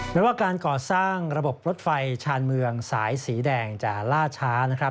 แม้ว่าการก่อสร้างระบบรถไฟชาญเมืองสายสีแดงจะล่าช้านะครับ